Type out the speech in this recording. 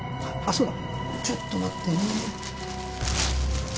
そうだちょっと待ってね